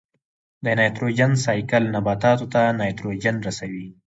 د نایټروجن سائیکل نباتاتو ته نایټروجن رسوي.